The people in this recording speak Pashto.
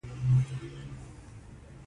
دا کارونه خلاص کړه او بیا ماته احوال راکړه